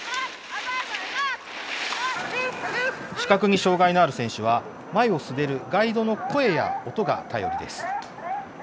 視覚に障害のある選手は、前を滑るガイドの声や音が頼りです。